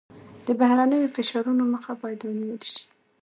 د بهرنیو فشارونو مخه باید ونیول شي.